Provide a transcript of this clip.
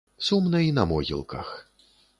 Сумна і на могілках.